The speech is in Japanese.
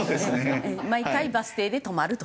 毎回バス停で止まると。